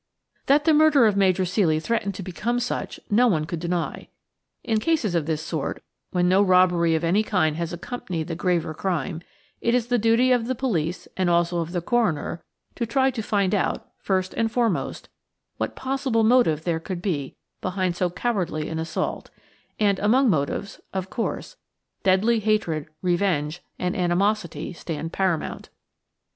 That the murder of Major Ceely threatened to become such no one could deny. In cases of this sort, when no robbery of any kind has accompanied the graver crime, it is the duty of the police and also of the coroner to try to find out, first and foremost, what possible motive there could be behind so cowardly an assault; and among motives, of course, deadly hatred, revenge, and animosity stand paramount.